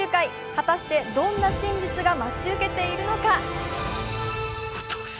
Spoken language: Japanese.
果たしてどんな真実が待ち受けているのか？